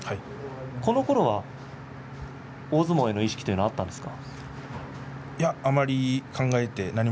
このころは大相撲への意識はあったんですか？